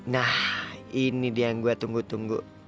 nah ini dia yang gue tunggu tunggu